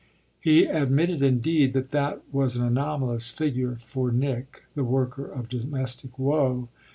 He admitted indeed that that was an anomalous figure for Nick, the worker of domestic woe.